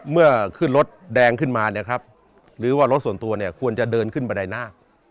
เมื่อขึ้นรถแดงขึ้นมาหรือว่ารถส่วนตัวควรจะเดินขึ้นไปใดหน้า